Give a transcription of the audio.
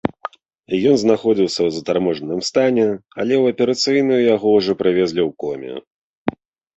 Ён знаходзіўся ў затарможаным стане, але ў аперацыйную яго ўжо прывезлі ў коме.